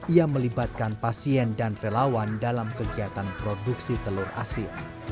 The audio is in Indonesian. ia melibatkan pasien dan relawan dalam kegiatan produksi telur asin